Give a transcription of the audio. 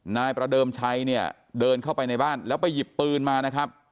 นายประเดิมชัยเนี่ยเดินเข้าไปในบ้านแล้วไปหยิบปืนมานะครับ